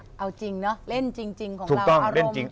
เอาจริงเล่นจริงของเราอารมณ์พาไปถูกต้องเล่นจริง